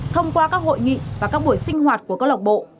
thông qua các hội nghị và các buổi sinh hoạt của công lộc bộ